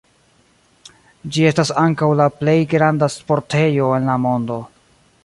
Ĝi estas ankaŭ la plej granda sportejo en la mondo.